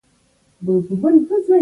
بشپړه ازادي یې ورکړې وه.